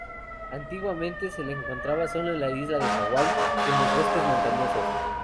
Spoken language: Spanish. Antiguamente se le encontraba sólo en la isla de Hawái en los bosques montañosos.